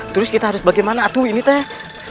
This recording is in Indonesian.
terus kita harus bagaimana aduh ini teh